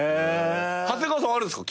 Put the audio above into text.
長谷川さんはあるんすか？